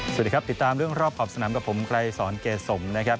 สวัสดีครับติดตามเรื่องรอบขอบสนามกับผมไกรสอนเกสมนะครับ